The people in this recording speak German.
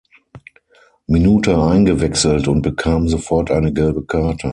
Minute eingewechselt und bekam sofort eine gelbe Karte.